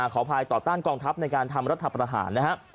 ขออภัยต่อต้านกองทัพในการทำรัฐประหารนะครับ